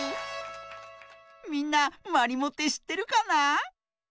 みんなまりもってしってるかな？